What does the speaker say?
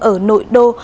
ở nội đô